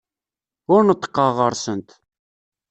Ur neṭṭqeɣ ɣer-sent.